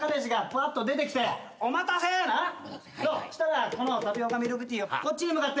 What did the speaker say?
したらこのタピオカミルクティーをこっちに向かって。